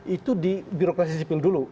itu di birokrasi sipil dulu